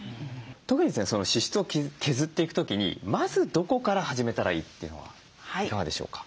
特に支出を削っていく時にまずどこから始めたらいいっていうのはいかがでしょうか？